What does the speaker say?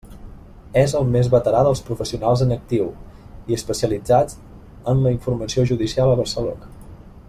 És el més veterà dels professionals en actiu i especialitzats en la informació judicial a Barcelona.